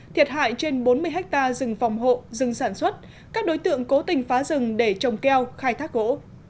thiệt hại trên bốn mươi ha rừng phòng hộ rừng sản xuất các đối tượng cố tình phá rừng để trồng keo khai thác gỗ